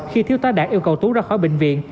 khi thiếu tá đạt yêu cầu tú ra khỏi bệnh viện